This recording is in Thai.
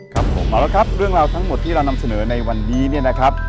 ครับผมเอาละครับเรื่องราวทั้งหมดที่เรานำเสนอในวันนี้เนี่ยนะครับ